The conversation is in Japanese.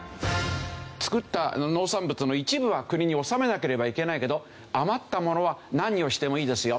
作った農産物の一部は国に納めなければいけないけど余ったものは何をしてもいいですよ。